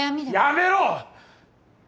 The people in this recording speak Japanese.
やめろ！